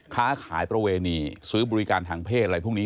ค้าขายประเวณีซื้อบริการทางเพศอะไรพวกนี้